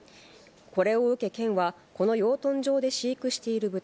これを受け、県はこの養豚場で飼育している豚